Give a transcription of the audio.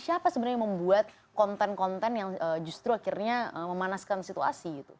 siapa sebenarnya yang membuat konten konten yang justru akhirnya memanaskan situasi gitu